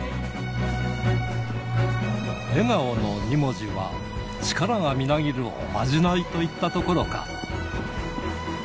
笑顔の２文字は、力がみなぎるおまじないといったところか。